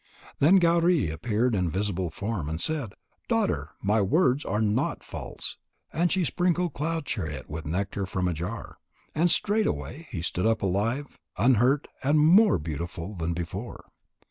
Then Gauri appeared in a visible form, and said: "Daughter, my words are not false." And she sprinkled Cloud chariot with nectar from a jar. And straightway he stood up alive, unhurt and more beautiful than before.